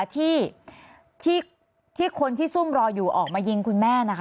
ที่คนที่ซุ่มรออยู่ออกมายิงคุณแม่นะคะ